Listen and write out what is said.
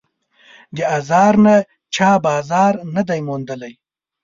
د آزار نه چا بازار نه دی موندلی